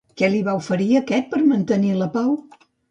Què li va oferir aquest per mantenir la pau?